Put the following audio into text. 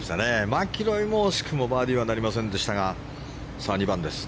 マキロイも惜しくもバーディーなりませんでしたがさあ、２番です。